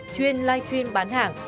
chuyên live stream bán hàng